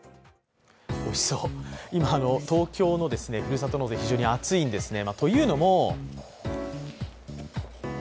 今、東京のふるさと納税、非常に熱いんですね。